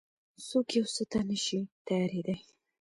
څوک يو څه ته نه شي تيارېدای.